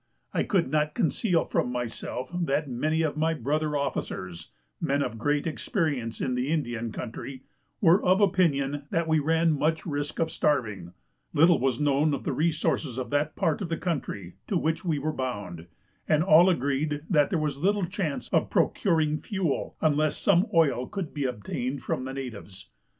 I could not conceal from myself that many of my brother officers, men of great experience in the Indian country, were of opinion that we ran much risk of starving; little was known of the resources of that part of the country to which we were bound; and all agreed that there was little chance of procuring fuel, unless some oil could be obtained from the natives.